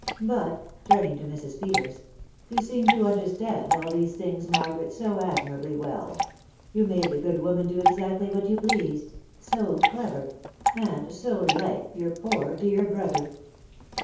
But," turning to> Mrs. Peters, " you seem to understand all these things, ajarw garet, so admirably well ! You made the good woman da exactly what you pleased. ... So clever, .,.. and bo like your poor dear brother